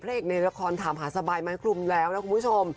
พระเอกในละครถามหาสะใบไม้คลุมแล้วนักคุณผู้ชม